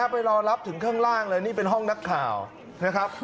ไปรอรับถึงข้างล่างเลยนี่เป็นห้องนักข่าวนะครับ